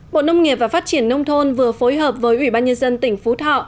bộ nông nghiệp và phát triển nông thôn vừa phối hợp với ủy ban nhân dân tỉnh phú thọ